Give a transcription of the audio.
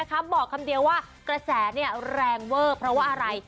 ข้าบอกคำเดียวว่ากระแสเนี่ยแรงเวิร์ดเพราะว่าอะไร